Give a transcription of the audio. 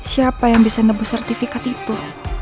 siapa yang bisa nebu sertifikat itu